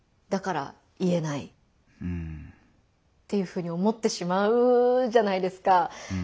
だから言えないっていうふうに思ってしまうじゃないですか。